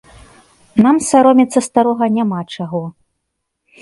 Нам саромецца старога няма чаго.